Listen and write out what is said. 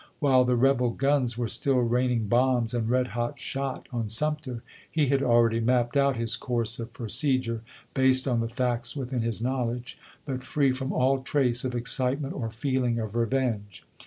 While the rebel guns were still raining bombs and red hot shot on Sum ter, he had already mapped out his course of pro cedure, based on the facts within his knowledge, but free from all trace of excitement or feeling of revenge.